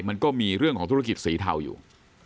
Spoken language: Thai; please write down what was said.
มันก็มีเรื่องของธุรกิจสีเทาอยู่